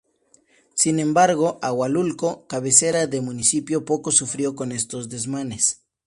Sin embargo, Ahualulco, cabecera del municipio poco sufrió con estos desmanes.